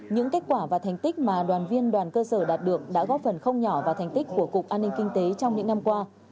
những kết quả và thành tích mà đoàn viên đoàn cơ sở đạt được đã góp phần không nhỏ vào thành tích của cục an ninh kinh tế trong những năm qua